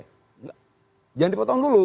jangan dipotong dulu